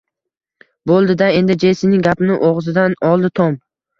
Bo`ldi-da endi, Jessining gapini og`zidan oldi Tom